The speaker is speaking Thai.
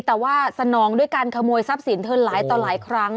แต่ว่าสนองด้วยการขโมยทรัพย์สินเธอหลายต่อหลายครั้ง